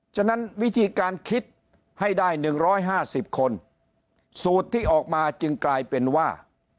ฉะนั้นวิธีการคิดให้ได้๑๕๐คนสูตรที่ออกมาจึงกลายเป็นว่า